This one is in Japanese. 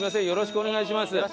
よろしくお願いします。